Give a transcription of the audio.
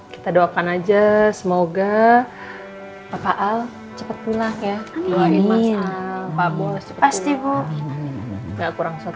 kita doakan aja semoga bapak al cepet pulang ya